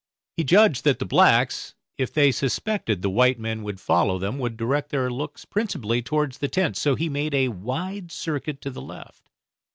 He judged that the blacks, if they suspected that the white men would follow them, would direct their looks principally towards the tents, so he made a wide circuit to the left.